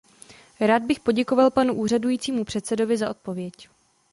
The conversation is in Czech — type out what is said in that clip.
Rád bych poděkoval panu úřadujícímu předsedovi za odpověď.